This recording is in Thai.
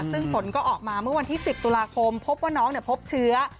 ซึ่งผลก็ออกมาเมื่อวันที่๑๐ตุลาคมพบว่าน้องพบเชื้อ